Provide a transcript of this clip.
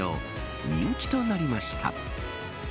人気となりました。